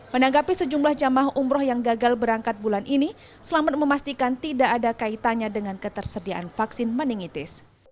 menanggapi sejumlah jamaah umroh yang gagal berangkat bulan ini selamat memastikan tidak ada kaitannya dengan ketersediaan vaksin meningitis